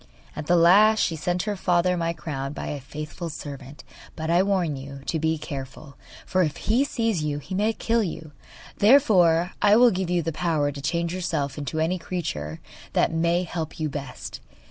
At the last she sent her father my crown by a faithful servant. But I warn you to be careful, for if he sees you he may kill you. Therefore I will give you the power to change yourself into any creature that may help you best.